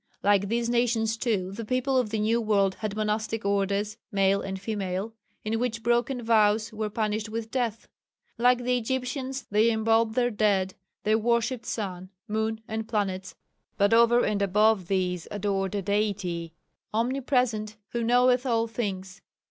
Like these nations too, the people of the new world had monastic orders, male and female, in which broken vows were punished with death. Like the Egyptians they embalmed their dead, they worshipped sun, moon, and planets, but over and above these adored a Deity "omnipresent, who knoweth all things